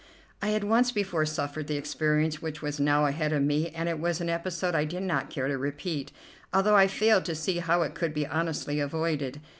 I had once before suffered the experience which was now ahead of me, and it was an episode I did not care to repeat, although I failed to see how it could be honestly avoided.